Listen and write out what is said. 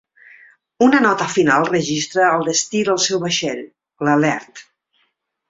Una nota final registra el destí del seu vaixell, l'"Alert".